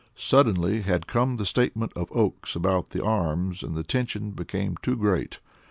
Suddenly had come the statement of Oakes about the arms, and the tension became too great.